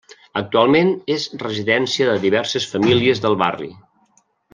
Actualment és residència de diverses famílies del barri.